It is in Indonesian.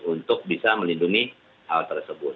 untuk bisa melindungi hal tersebut